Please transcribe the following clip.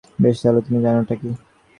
বেশ তাহলে তুমি জানো টা কি।